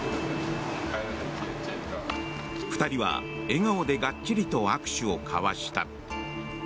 ２人は笑顔でがっちりと握手を交わした。